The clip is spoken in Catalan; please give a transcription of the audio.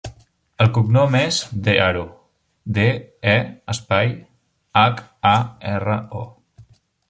El cognom és De Haro: de, e, espai, hac, a, erra, o.